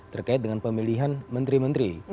terkait dengan pemilihan menteri menteri